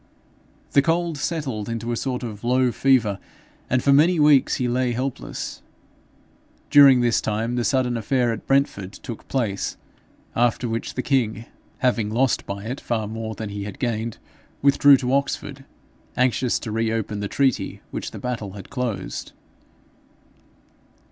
The cold settled into a sort of low fever, and for many weeks he lay helpless. During this time the sudden affair at Brentford took place, after which the king, having lost by it far more than he had gained, withdrew to Oxford, anxious to re open the treaty which the battle had closed.